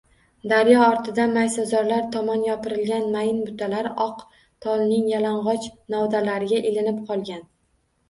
Daryo ortidan maysazor tomon yopirilgan mayin bulutlar oq tolning yalangʻoch novdalariga ilinib qolgan.